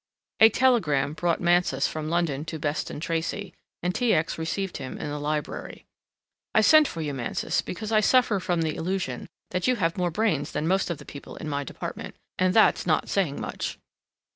A telegram brought Mansus from London to Beston Tracey, and T. X. received him in the library. "I sent for you, Mansus, because I suffer from the illusion that you have more brains than most of the people in my department, and that's not saying much."